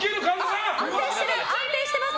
安定してます。